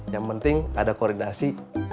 yang penting ada koordinasi